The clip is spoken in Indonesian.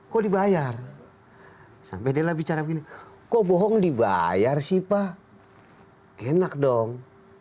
kok dibayar sampai della bicara begini kok bohong dibayar sih pak enak dong